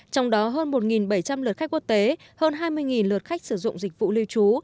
trong đó hơn một bảy trăm linh lượt khách quốc tế hơn hai mươi lượt khách sử dụng dịch vụ lưu trú